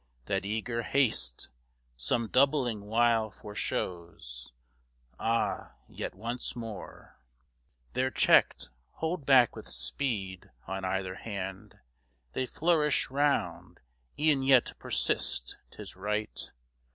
That eager haste Some doubling wile foreshows. Ah! Yet once more They're checked, hold back with speed on either hand They flourish round e'en yet persist 'tis right.